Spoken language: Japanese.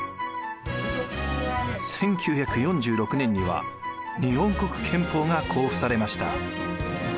１９４６年には日本国憲法が公布されました。